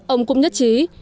ông cũng nhất trí